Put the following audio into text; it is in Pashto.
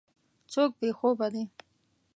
څوک بې خوبه دی.